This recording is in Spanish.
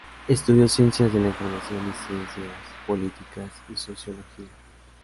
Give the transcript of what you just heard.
Estudió Ciencias de la Información y Ciencias Políticas y Sociología.